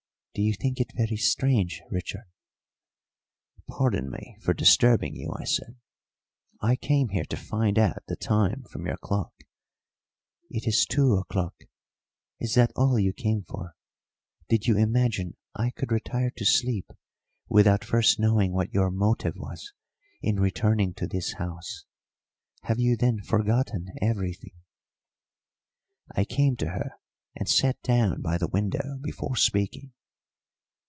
"Do you think it very strange, Richard?" "Pardon me for disturbing you," I said; "I came here to find out the time from your clock." "It is two o'clock. Is that all you came for? Did you imagine I could retire to sleep without first knowing what your motive was in returning to this house? Have you then forgotten everything?" I came to her and sat down by the window before speaking.